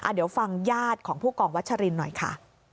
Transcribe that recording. เดี๋ยวฟังญาติของผู้กองวัชรินหน่อยค่ะ